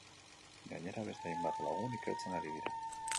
Gainera, beste hainbat lagun ikertzen ari dira.